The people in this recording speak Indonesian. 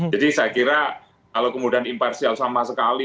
jadi saya kira kalau kemudian imparsial sama sekali